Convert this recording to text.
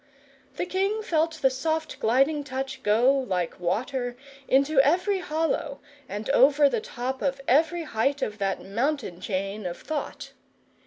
The king felt the soft gliding touch go, like water, into every hollow, and over the top of every height of that mountain chain of thought.